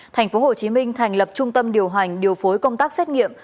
tp hcm thành lập trung tâm điều hành điều phối công tác xét nghiệm